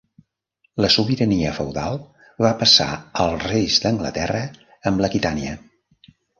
La sobirania feudal va passar als reis d'Anglaterra amb l'Aquitània.